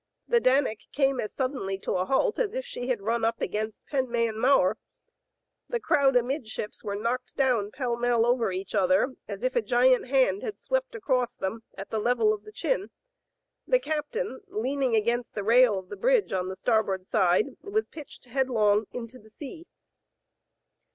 The Dank came as suddenly to a halt as if she had run up against Penmaen mawr. The crowd amidships were knocked down pell mell over each other, as if a giant hand had swept across them at the level of the chin. The captain, leaning against the rail of the bridge on the starboard side, was pitched headlong into the sea.